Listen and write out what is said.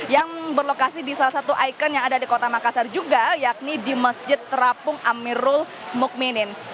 yang berlokasi di salah satu ikon yang ada di kota makassar juga yakni di masjid terapung amirul mukminin